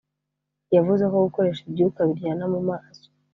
yavuze ko gukoresha ibyuka biryana mu maso